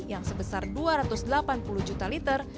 yang sebesar dua ratus delapan puluh juta liter